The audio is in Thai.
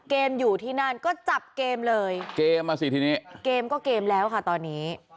อยู่ที่นั่นก็จับเกมเลยเกมอ่ะสิทีนี้เกมก็เกมแล้วค่ะตอนนี้